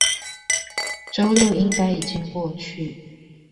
週六應該已經過去